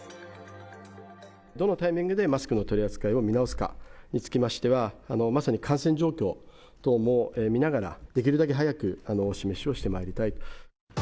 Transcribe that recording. どのタイミングでマスクを取り扱いを見直すかにつきましては、まさに感染状況等も見ながら、できるだけ早くお示しをしてまいりたい。